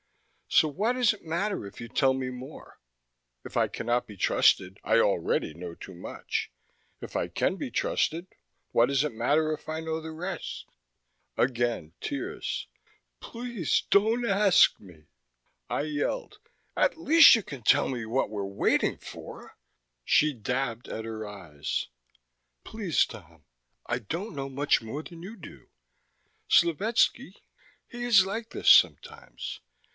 "So what does it matter if you tell me more? If I cannot be trusted, I already know too much. If I can be trusted, what does it matter if I know the rest?" Again tears. "Please don't ask me!" I yelled: "At least you can tell me what we're waiting for!" She dabbed at her eyes. "Please, Tom, I don't know much more than you do. Slovetski, he is like this sometimes.